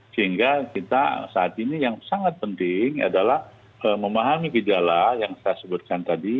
sehingga kita saat ini yang sangat penting adalah memahami gejala yang saya sebutkan tadi